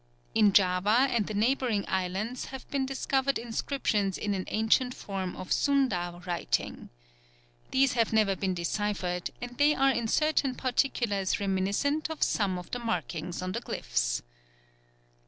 In Java and the neighbouring islands have been discovered inscriptions in an ancient form of Sunda writing. These have never been deciphered, and they are in certain particulars reminiscent of some of the markings on the glyphs.